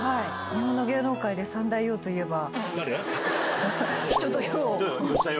日本の芸能界で三大ヨウといえば。